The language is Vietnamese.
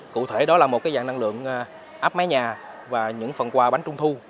cụ thể đó là một dạng năng lượng áp mái nhà và những phần quà bánh trung thu